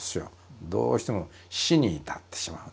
どうしても死に至ってしまうんですよ。